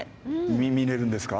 見れるんですか？